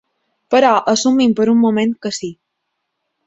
Però assumim per un moment que sí.